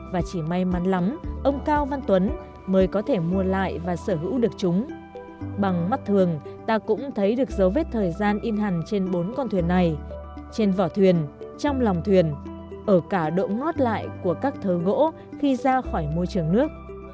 và chỉ may mắn lắm ông cao văn tuấn mới có thể trưng bày bốn hiện vật khá đặc biệt